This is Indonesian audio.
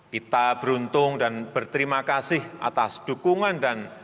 kita beruntung dan berterima kasih atas dukungan dan